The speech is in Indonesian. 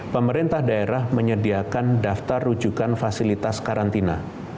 pemerintah daerah menyediakan daftar rujukan fasilitas karantina